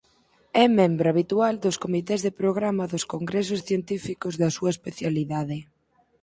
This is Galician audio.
É membro habitual dos comités de programa dos congresos científicos da súa especialidade.